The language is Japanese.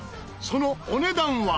そのお値段は。